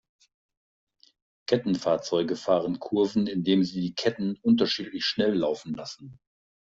Kettenfahrzeuge fahren Kurven, indem sie die Ketten unterschiedlich schnell laufen lassen.